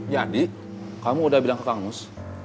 ya di kamu udah bilang ke kang nus